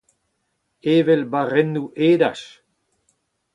Evel barrennoù-edaj !